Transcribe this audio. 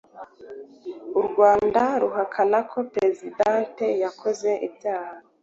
U Rwanda ruhakana ko president yakoze ibyaha